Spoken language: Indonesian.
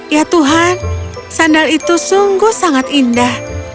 ya tuhan sandal itu sungguh sangat indah